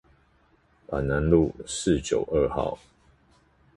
板南路四九二號